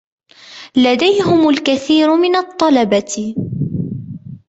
لديهم الكثير من الطلبة.